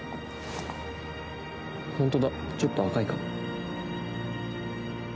本当だ、ちょっと赤いかも。